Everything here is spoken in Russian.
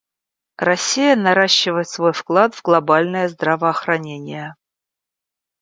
Россия наращивает свой вклад в глобальное здравоохранение.